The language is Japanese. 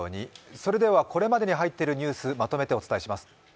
それでは、これまでに入っているニュースをまとめてお伝えします。